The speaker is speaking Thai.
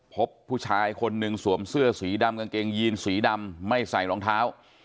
พบผู้ชายคนหนึ่งสวมเสื้อสีดำกางเกงยีนสีดำไม่ใส่รองเท้า